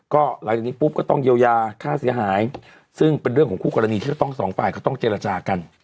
ก็หลังจากนี้ปุ๊บก็ต้องเยียวยาค่าเสียหายซึ่งเป็นเรื่องของคู่กรณีที่จะต้องสองฝ่ายเขาต้องเจรจากัน